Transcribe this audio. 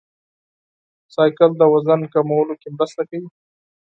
بایسکل د وزن کمولو کې مرسته کوي.